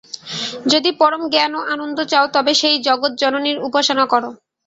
যদি পরম জ্ঞান ও আনন্দ চাও, তবে সেই জগজ্জননীর উপাসনা কর।